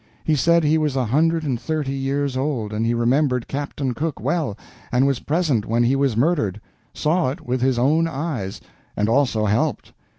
He said he was a hundred and thirty years old, and he remembered Captain Cook well, and was present when he was murdered; saw it with his own eyes, and also helped.